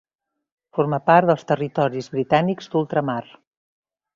Forma part dels territoris Britànics d'Ultramar.